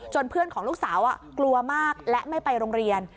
เพื่อนของลูกสาวกลัวมากและไม่ไปโรงเรียน